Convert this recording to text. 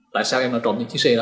tại sao em trộm những chiếc xe đó